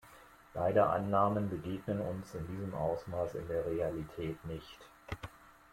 Beide Annahmen begegnen uns in diesem Ausmaß in der Realität nicht.